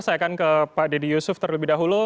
saya akan ke pak dedy yusuf terlebih dahulu